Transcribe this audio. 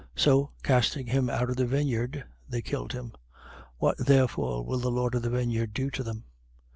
20:15. So casting him out of the vineyard, they killed him. What therefore will the lord of the vineyard do to them?